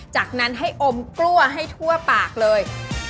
จากนั้นให้อมกล้วยให้ทั่วปากเลย